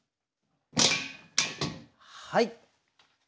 はい！